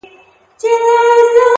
خو دده زامي له يخه څخه رېږدي ـ